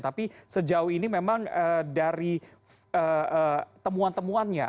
tapi sejauh ini memang dari temuan temuannya